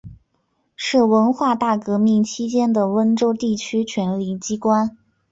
是文化大革命期间的温州地区权力机关。